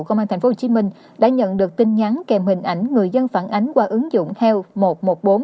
công an tp hcm đã nhận được tin nhắn kèm hình ảnh người dân phản ánh qua ứng dụng heal một trăm một mươi bốn